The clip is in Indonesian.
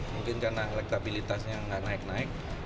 mungkin karena elektabilitasnya nggak naik naik